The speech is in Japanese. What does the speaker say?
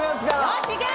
よーしいけ！